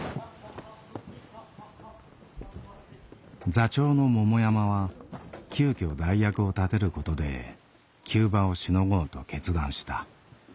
座長の桃山は急きょ代役を立てることで急場をしのごうと決断した。